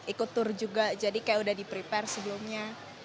ikut tur juga jadi kayak udah di prepare sebelumnya